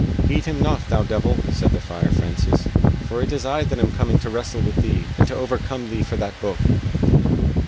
"Heed him not, thou devil," said the Friar Francis, "for it is I that am coming to wrestle with thee and to overcome thee for that booke!"